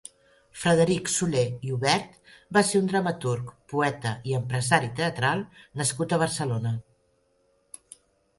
Frederic Soler i Hubert va ser un dramaturg, poeta i empresari teatral nascut a Barcelona.